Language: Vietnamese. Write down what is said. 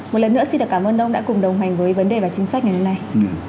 một lần nữa xin cảm ơn ông đã cùng đồng hành với vấn đề và chính sách ngày hôm nay